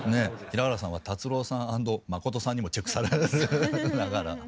平原さんは達郎さん＆まことさんにもチェックされながら。